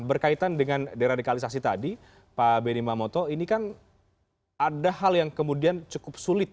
berkaitan dengan deradikalisasi tadi pak benny mamoto ini kan ada hal yang kemudian cukup sulit